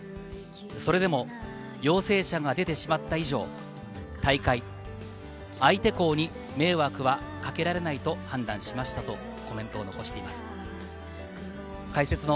それでも陽性者が出てしまった以上、大会、相手校に迷惑はかけられないと判断しましたとコメントを残しています。